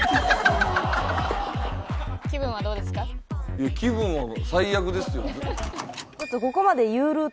いや気分は最悪ですよ。